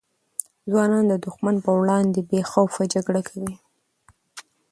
ځوانان د دښمن پر وړاندې بې خوف جګړه کوي.